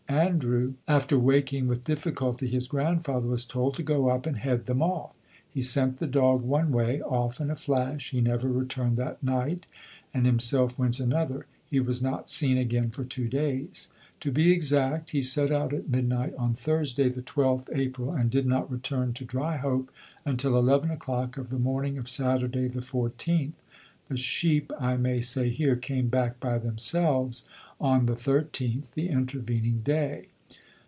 Andrew, after waking with difficulty his grandfather, was told to go up and head them off. He sent the dog one way off in a flash, he never returned that night and himself went another. He was not seen again for two days. To be exact, he set out at midnight on Thursday the 12th April, and did not return to Dryhope until eleven o'clock of the morning of Saturday the 14th. The sheep, I may say here, came back by themselves on the 13th, the intervening day.